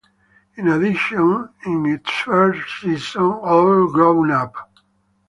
In addition, in its first season, All Grown Up!